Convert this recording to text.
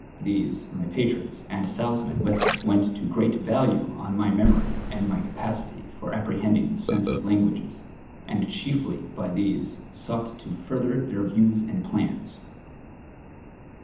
These, my patrons, and Salzmann with them, set a great value on my memory and my capacity for apprehending the sense of languages, and cliicfly by these souglit to further their views and i)lans.